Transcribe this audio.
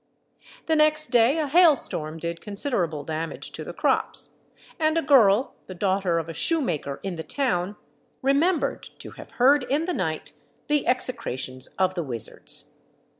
The next day a hail storm did considerable damage to the crops; and a girl, the daughter of a shoemaker in the town, remembered to have heard in the night the execrations of the wizards.